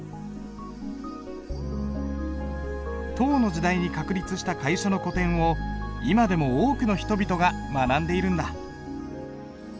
唐の時代に確立した楷書の古典を今でも多くの人々が学んでいるんだ。